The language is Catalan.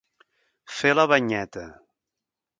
Fer la banyeta.